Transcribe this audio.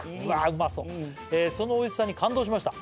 うまそ「そのおいしさに感動しました」